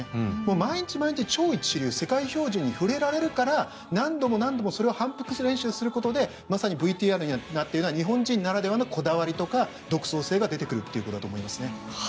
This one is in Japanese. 毎日毎日、超一流世界標準に触れられるから何度も何度もそれを反復練習することでＶＴＲにもあった日本人ならではのこだわりとか独創性が出てくるということだと思いますね。